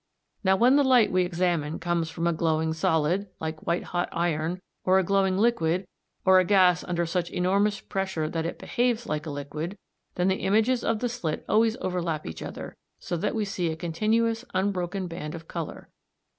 Now when the light we examine comes from a glowing solid, like white hot iron, or a glowing liquid, or a gas under such enormous pressure that it behaves like a liquid, then the images of the slit always overlap each other, so that we see a continuous unbroken band of colour.